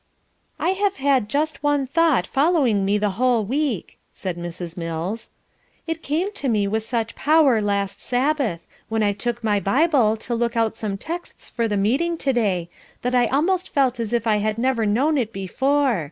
"I have had just one thought following me the whole week," said Mrs. Mills. "It came to me with such power last Sabbath, when I took my Bible to look out some texts for the meeting to day, that I almost felt as if I had never known it before.